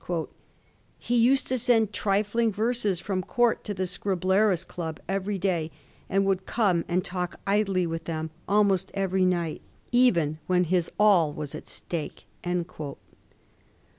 * He used to send trifling verses from court to the Scriblerus club every day, and would come and talk idly with them almost every night, even when his all was at stake.'